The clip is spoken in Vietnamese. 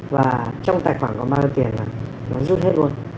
và trong tài khoản có bao nhiêu tiền là nó rút hết luôn